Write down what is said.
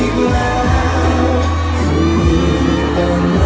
กอบกอบกอบ